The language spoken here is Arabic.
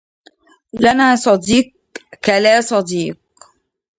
لنا صديق كلا صديق